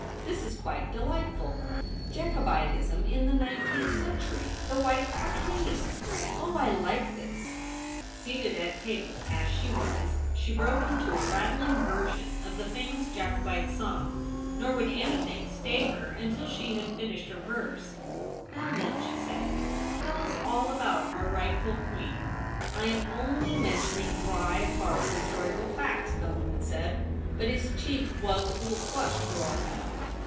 ' This is quite delightful ; Jacobitism in the nineteenth century— the White Cockade ! Oh, I like this !' Seated at table as she was, she broke into a rattling version of the famous Jacobite song, nor would anything stay her until she had finished her verse. ' Now then,' she said, ' tell us all about our rightful Queen.' ' I am only mentioning dry, hard historical facts,' Bellarmin said ; but his cheek was a little flushed for all that.